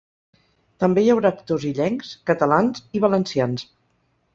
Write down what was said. També hi haurà actors illencs, catalans i valencians.